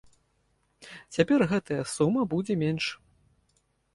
Цяпер гэтая сума будзе менш.